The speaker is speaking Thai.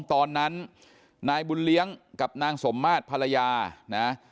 ตอนนั้นนายบุญเลี้ยงกับนางสมมาตรภรรยานะ